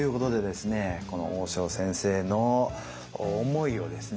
この大塩先生の思いをですね